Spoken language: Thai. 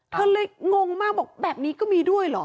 เธอเลยงงมากบอกแบบนี้ก็มีด้วยเหรอ